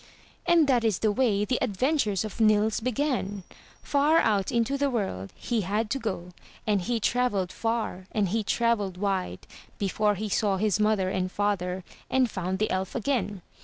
And that is the way the adventures of Nils began. Far out into the world he had to go and he travelled far and he travelled wide before he saw his mother and father and found the elf again.